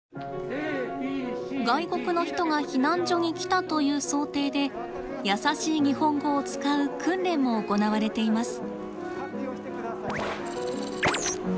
外国の人が避難所に来たという想定で「やさしい日本語」を使う訓練も行われています。